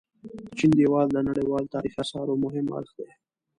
د چين ديوال د نړيوال تاريخي اثارو مهم اړخ دي.